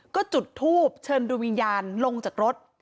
ก็จุดทูบเชิญดูวิญญาณลงจากรถ